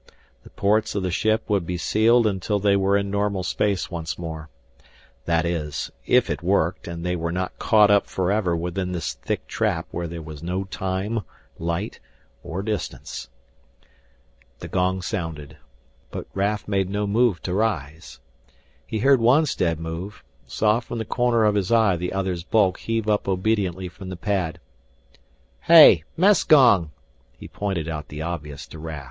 The ports of the ship would be sealed until they were in normal space once more. That is, if it worked and they were not caught up forever within this thick trap where there was no time, light, or distance. The gong sounded, but Raf made no move to rise. He heard Wonstead move, saw from the corner of his eye the other's bulk heave up obediently from the pad. "Hey mess gong!" He pointed out the obvious to Raf.